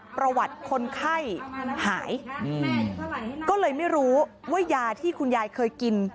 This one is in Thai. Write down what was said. ประวัติคนไข้หายก็เลยไม่รู้ว่ายาที่คุณยายเคยกิน